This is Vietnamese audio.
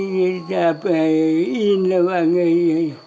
như là bài in là bài